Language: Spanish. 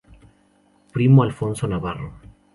Primo Alfonso Navarro.